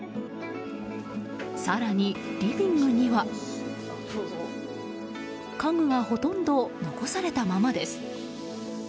更に、リビングには家具がほとんど残されたままです。